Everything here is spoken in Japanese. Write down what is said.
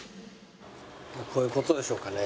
こういう事でしょうかね？